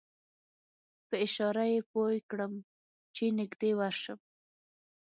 په اشاره یې پوی کړم چې نږدې ورشم.